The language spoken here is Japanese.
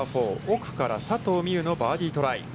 奥から佐藤心結のバーディートライ。